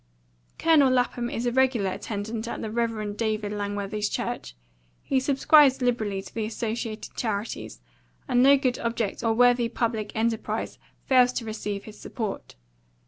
Colonel Lapham is a regular attendant at the Rev. Dr. Langworthy's church. He subscribes liberally to the Associated Charities, and no good object or worthy public enterprise fails to receive his support.